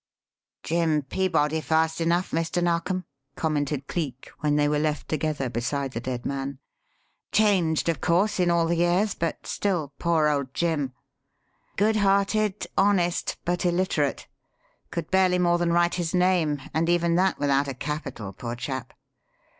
"Jim Peabody fast enough, Mr. Narkom," commented Cleek, when they were left together beside the dead man. "Changed, of course, in all the years, but still poor old Jim. Good hearted, honest, but illiterate. Could barely more than write his name, and even that without a capital, poor chap.